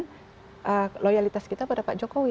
dan loyalitas kita kepada pak jokowi